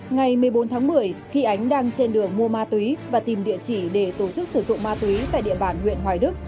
ngày một mươi bốn tháng một mươi khi ánh đang trên đường mua ma túy và tìm địa chỉ để tổ chức sử dụng ma túy tại địa bàn huyện hoài đức